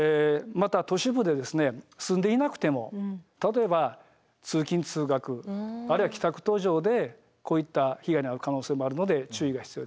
また都市部で住んでいなくても例えば通勤・通学あるいは帰宅途上でこういった被害に遭う可能性もあるので注意が必要です。